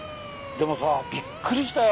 でもさびっくりしたよ。